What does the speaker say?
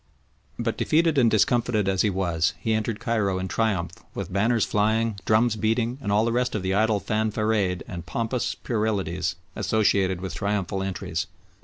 But defeated and discomfited as he was, he entered Cairo in triumph with banners flying, drums beating, and all the rest of the idle fanfaronade and pompous puerilities associated with triumphal entries.